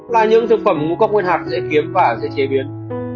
là những thực phẩm ngũ cốc nguyên hạt dễ kiếm và dễ chế biến